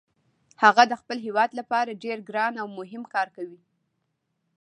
هغه د خپل هیواد لپاره ډیر ګران او مهم کار کوي